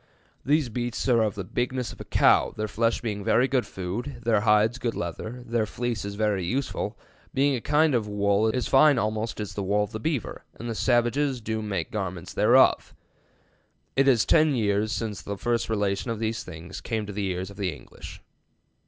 These Beasts are of the bignesse of a Cowe, their flesh being very good foode, their hides good lether, their fleeces very usefull, being a kinde of wolle as fine almost as the wolle of the Beaver, and the Salvages doe make garments thereof. It is tenne yeares since first the relation of these things came to the eares of the English.'